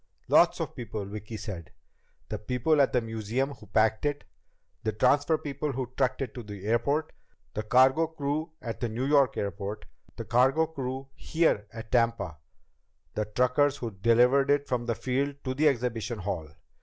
"Lots of people," Vicki said. "The people at the museum who packed it. The transfer people who trucked it to the airport. The cargo crew at the New York airport. The cargo crew here at Tampa. The truckers who delivered it from the field to the exhibition hall.